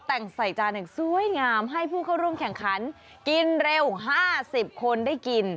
แต่งใส่จานอย่างสวยงามให้ผู้เข้าร่วมแข่งขันกินเร็ว๕๐คนได้กิน